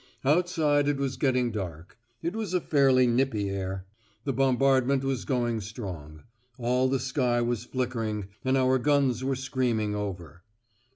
Outside it was getting dark. It was a fairly nippy air. The bombardment was going strong. All the sky was flickering, and our guns were screaming over.